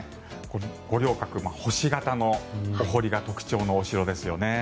五稜郭、星形のお堀が特徴のお城ですよね。